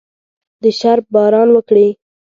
د شرپ باران وکړي